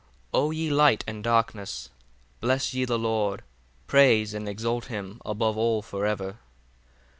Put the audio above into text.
48 O ye light and darkness, bless ye the Lord: praise and exalt him above all for ever.